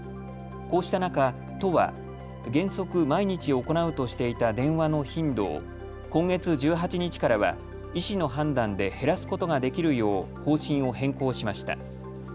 こうした中、都は原則、毎日行うとしていた電話の頻度を今月１８日からは医師の判断で減らすことができるよう方針を変更しました。